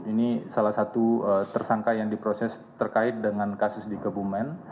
ini salah satu tersangka yang diproses terkait dengan kasus di kebumen